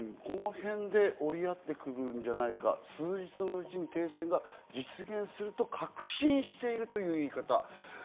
この辺で折り合ってくるんじゃないか、数日のうちに停戦が実現すると確信しているという言い方。